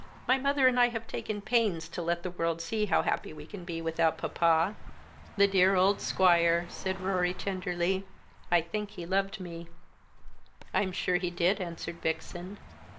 My mother and I have taken pains to let the world see how happy we can be without papa." "The dear old Squire!" said Rorie tenderly; "I think he loved me." "I am sure he did," answered Vixen.